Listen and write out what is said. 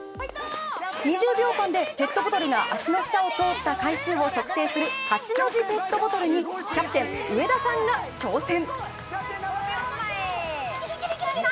２０秒間でペットボトルが足の下を通った回数を測定する８の字ペットボトルにキャプテン上田さんが挑戦。